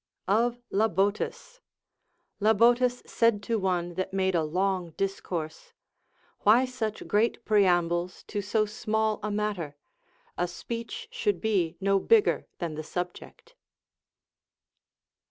Of Lahotus. Labotus said to one that made a long discourse : Why such great preambles to so small a matter ? A speech should be no bigger than the subject.